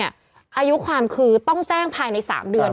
อายุความคือต้องแจ้งภายใน๓เดือน